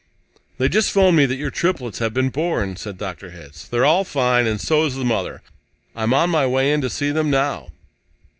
"They just phoned me that your triplets have been born," said Dr. Hitz. "They're all fine, and so is the mother. I'm on my way in to see them now."